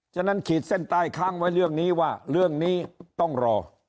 ฉะนั้นขีดเส้นใต้ค้างไว้เรื่องนี้ว่าเรื่องนี้ต้องรอ